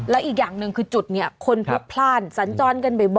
ดิ้งดิ้ง